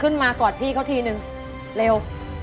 มากอดพี่เขาทีนึงเร็ว